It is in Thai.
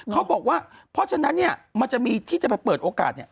เขาบอกว่าเพราะฉะนั้นเนี่ยมันจะมีที่จะไปเปิดโอกาสเนี่ย